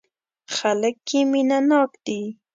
خلک یې مینه ناک دي.